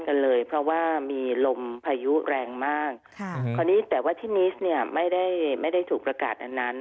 กันเลยเพราะว่ามีลมพายุแรงมากแต่ว่าที่นี่รรณ์ไม่ได้ไม่ได้ถูกประกาศตรงนั้น